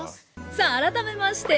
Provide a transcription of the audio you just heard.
さあ改めまして